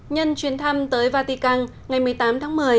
nhân chuyến thăm tới vatican ngày một mươi tám tháng một mươi